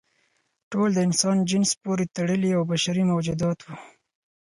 ټول د انسان جنس پورې تړلي او بشري موجودات وو.